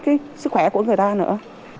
cái sức khỏe của người ta nữa